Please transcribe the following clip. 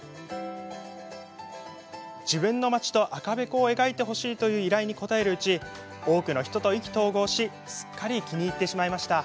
自分の町と赤べこを描いてほしいという依頼に応えるうち多くの人と意気投合しすっかり気に入ってしまいました。